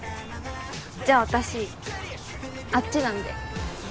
じゃあ私あっちなんで。